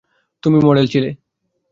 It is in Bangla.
তুমি মডেল ছিলে।